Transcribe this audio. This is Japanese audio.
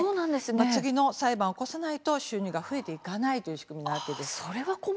次の裁判を起こさないと収入が入ってこないという仕組みなんです。